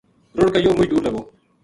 رُڑ کے یوہ مُچ دور لگو